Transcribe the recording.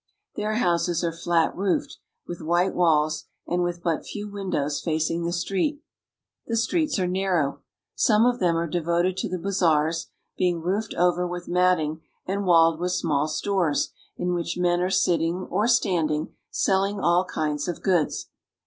Their houses are flat roofed, with white walls <Biid with but few windows facing the street. The streets IN ALGlliRS "1 bazaars. i ; narrow. Some of them are devoted to the >eing roofed over with matting and wailed with small Kires in which men are sitting or standing, selling all kinds of goods.